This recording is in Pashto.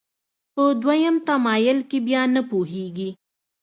په دویم تمایل کې بیا نه پوهېږي.